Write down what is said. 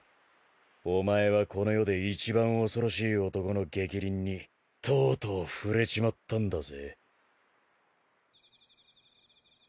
お前はこの世で一番恐ろしい男の逆鱗にとうとう触れちまったんだぜ。